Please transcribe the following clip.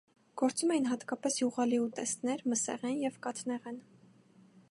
Գործածում էին հատկապես յուղալի ուտեստներ, մսեղեն և կաթնեղեն։